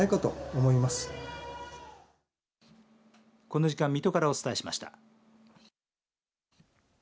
この時間水戸からお伝えしました。